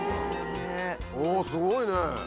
おぉすごいね。